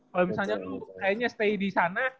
kalau misalnya lu stay di sana